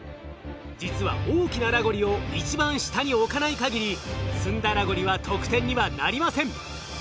実は大きなラゴリを一番下に置かないかぎり積んだラゴリは得点にはなりません。